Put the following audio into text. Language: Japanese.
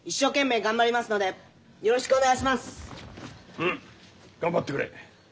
うん頑張ってくれ。